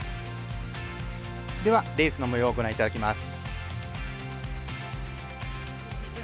ではレースのもようをご覧頂きます。